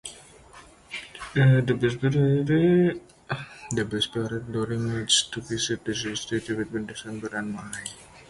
The best period during which to visit the city is between September and May.